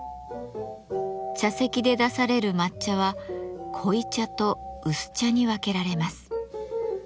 茶席で出される抹茶は濃茶と薄茶に分けられます。